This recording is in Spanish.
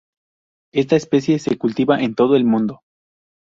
Esta especie se cultiva en todo el mundo.